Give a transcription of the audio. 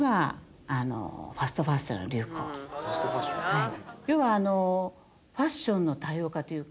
はい。